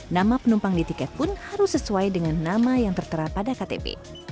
nama penumpang di tiket pun harus sesuai dengan nama yang tertera pada ktp